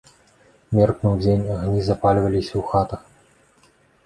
Меркнуў дзень, агні запальваліся ў хатах.